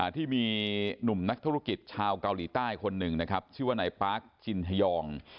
ที่มีหนุ่มนักธุรกิจชาวเกาหลีใต้คนหนึ่งนะครับชื่อว่านายปาร์คจินทยอง